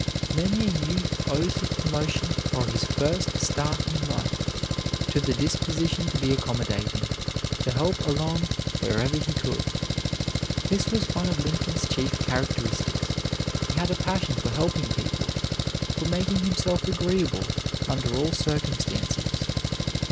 Many a youth owes his promotion or his first start in life to the disposition to be accommodating, to help along wherever he could. This was one of Lincoln's chief characteristics; he had a passion for helping people, for making himself agreeable under all circumstances.